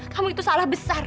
kamu itu salah besar